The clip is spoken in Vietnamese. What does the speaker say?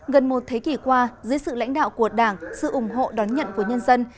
gần một thế kỷ qua dưới sự lãnh đạo của đảng sự ủng hộ đón nhận của nhân dân